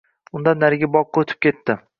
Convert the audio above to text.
Undan narigi boqqa o‘tib ketdi